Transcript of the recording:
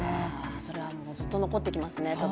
それはずっと残っていきますね。